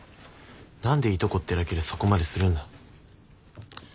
何でいとこってだけでそこまでするんだ？